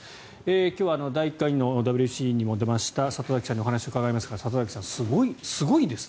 今日は第１回のＷＢＣにも出ました里崎さんにお話を伺いますが里崎さん、すごいですね。